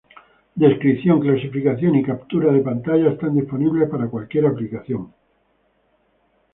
Descripción, clasificación y captura de pantalla están disponibles para cualquier aplicación.